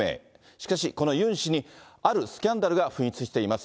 しかしこのユン氏に、あるスキャンダルが噴出しています。